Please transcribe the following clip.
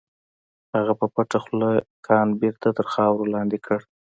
هغه په پټه خوله کان بېرته تر خاورو لاندې کړ.